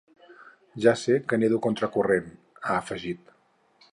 Ja sé que nedo a contracorrent, ha afegit.